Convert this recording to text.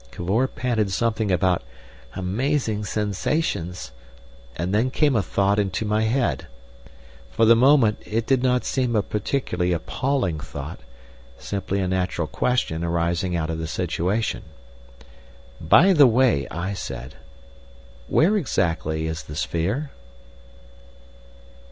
Cavor panted something about "amazing sensations." And then came a thought into my head. For the moment it did not seem a particularly appalling thought, simply a natural question arising out of the situation. "By the way," I said, "where exactly is the sphere?"